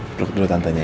duduk dulu tantanya ya